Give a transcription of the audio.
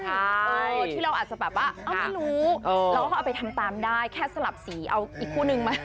ที่เราอาจจะแบบว่าไม่รู้เราก็เอาไปทำตามได้แค่สลับสีเอาอีกคู่นึงมา